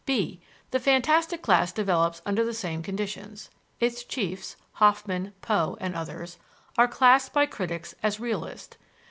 (b) The fantastic class develops under the same conditions. Its chiefs (Hoffmann, Poe, et al.) are classed by critics as realists.